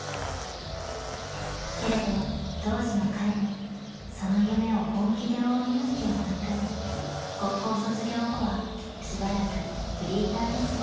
［けれど当時の彼にその夢を本気で追う勇気はなく高校卒業後はしばらくフリーターで過ごしてしまいました］